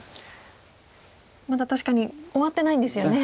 まだ確かに終わってないんですよね。